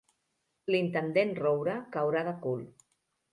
L'intendent Roure caurà de cul.